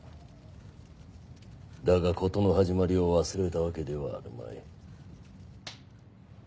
だが事の始まりを忘れたわけではあるまい。